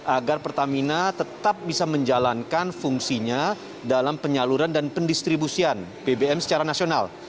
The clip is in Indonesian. agar pertamina tetap bisa menjalankan fungsinya dalam penyaluran dan pendistribusian bbm secara nasional